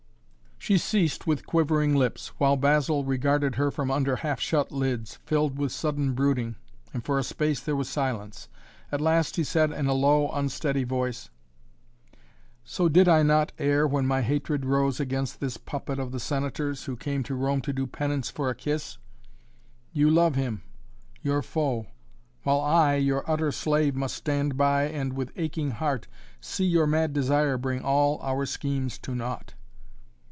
She ceased with quivering lips, the while Basil regarded her from under half shut lids, filled with sudden brooding, and for a space there was silence. At last he said in a low, unsteady voice: "So I did not err when my hatred rose against this puppet of the Senator's, who came to Rome to do penance for a kiss. You love him, your foe, while I, your utter slave, must stand by and, with aching heart, see your mad desire bring all our schemes to naught."